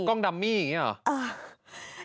กล้องดัมมี่อย่างนี้หรอ